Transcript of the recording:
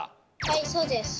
はいそうです